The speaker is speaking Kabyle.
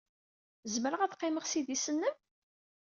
Zemreɣ ad qqimeɣ s idis-nnem?